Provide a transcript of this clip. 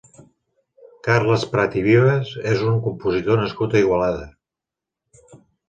Carles Prat i Vives és un compositor nascut a Igualada.